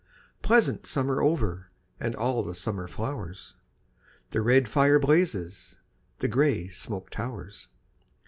Pleasant summer over And all the summer flowers, The red fire blazes, The grey smoke towers.